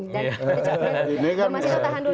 pak mas hinton tahan dulu ya pak mas hinton